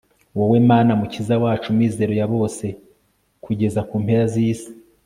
wowe, mana mukiza wacu, mizero ya bose kugeza ku mpera z'isi